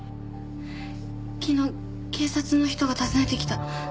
昨日警察の人が訪ねてきた。